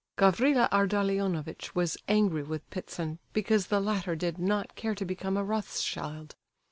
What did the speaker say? Gavrila Ardalionovitch was angry with Ptitsin because the latter did not care to become a Rothschild.